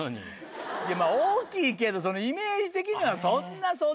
大きいけどイメージ的にはそんなそんな。